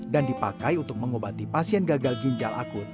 dan dipakai untuk mengobati pasien gagal ginjal akut